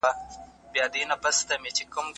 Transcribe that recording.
ثمر ګل وویل چې مځکه د بزګر د عزت نښه ده.